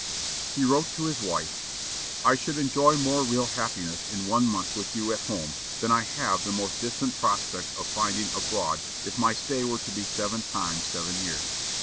He wrote to his wife: "I should enjoy more real happiness in one month with you at home than I have the most distant prospect of finding abroad if my stay were to be seven times seven years.